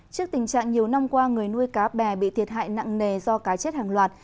trước tình trạng nhiều năm qua người nuôi cá bè bị thiệt hại nặng nề do cá chết hàng loạt